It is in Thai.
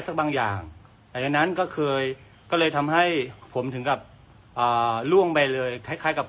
สำหรับนักวิ่งทั่วไปนะครับต้องระวังด้วยนะครับ